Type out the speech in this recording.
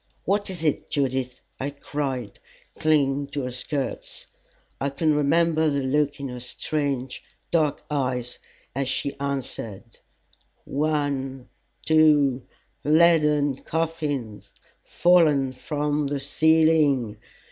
"What is it, Judith?" I cried, clinging to her skirts. I can remember the look in her strange dark eyes as she answered: "One two leaden coffins, fallen from the ceiling!"